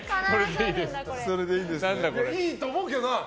いいと思うけどな。